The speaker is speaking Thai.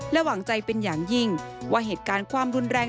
หวังใจเป็นอย่างยิ่งว่าเหตุการณ์ความรุนแรง